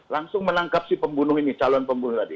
langsung menangkap si pembunuh ini calon pembunuh tadi